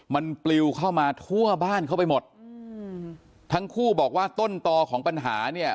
มันปลิวเข้ามาทั่วบ้านเข้าไปหมดอืมทั้งคู่บอกว่าต้นต่อของปัญหาเนี่ย